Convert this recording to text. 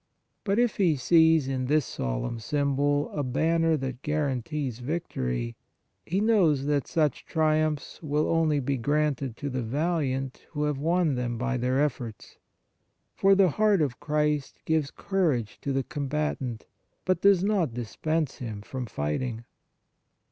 But if he sees in this solemn symbol a banner that guarantees victory, he knows that such triumphs will only be granted to the valiant who have won them by their efforts, for the Heart of Christ gives courage to the combatant, but does not dispense him from fighting.